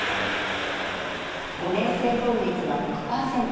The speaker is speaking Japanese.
５年生存率は６％。